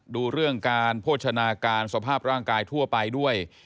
ดูเรื่องการโภชนาการสภาพร่างกายทั่วไปด้วย